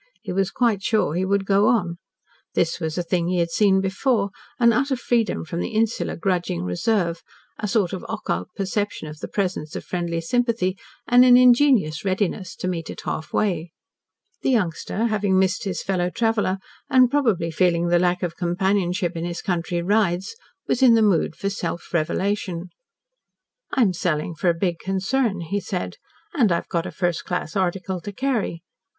He was quite sure he would go on. This was a thing he had seen before an utter freedom from the insular grudging reserve, a sort of occult perception of the presence of friendly sympathy, and an ingenuous readiness to meet it half way. The youngster, having missed his fellow traveler, and probably feeling the lack of companionship in his country rides, was in the mood for self revelation. "I'm selling for a big concern," he said, "and I've got a first class article to carry.